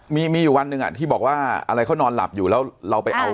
มีมีอยู่วันหนึ่งอ่ะที่บอกว่าอะไรเขานอนหลับอยู่แล้วเราไปเอา